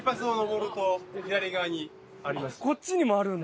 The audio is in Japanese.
こっちにもあるんだ。